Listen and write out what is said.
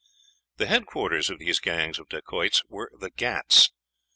The headquarters of these gangs of Dacoits were the Ghauts.